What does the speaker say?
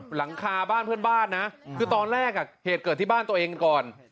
หลังคาบ้านเพื่อนบ้านนะคือตอนแรกเหตุเกิดที่บ้านตัวเองก่อน